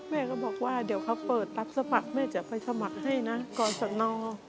แม่ก็บอกว่าเดี๋ยวเขาเปิดรับสมัครแม่จะไปสมัครให้นะกรสน